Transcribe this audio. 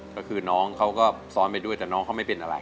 ก็คือน้องเขาก็ซ้อนไปด้วยแต่น้องเขาไม่เป็นอะไร